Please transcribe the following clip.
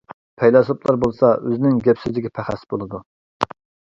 پەيلاسوپلار بولسا ئۆزىنىڭ گەپ-سۆزىگە پەخەس بولىدۇ.